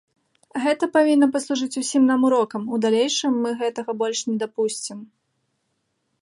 Гэта павінна паслужыць усім нам урокам, у далейшым мы гэтага больш не дапусцім.